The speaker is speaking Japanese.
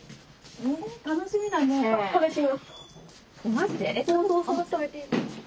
マジで？